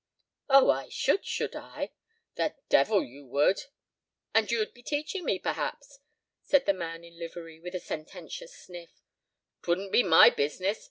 "Oh, I should, should I!" "The devil you would." "And you'd be teaching me, perhaps!" said the man in livery, with a sententious sniff. "'Twouldn't be my business.